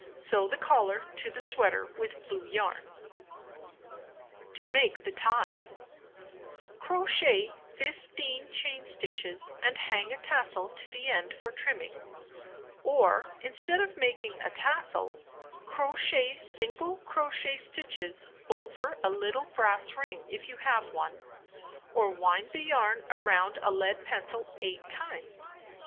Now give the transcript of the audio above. Sew the collar to the sweater with blue yarn. 188 Knitting and Crocheting Book To Make the Tie Crochet 15 chain stitches and hang a tassel to the end for trimming; or instead of making a tassel, crochet single crochet stitches over a little brass ring if you have one; or Wind the yarn around a lead pencil 8 times.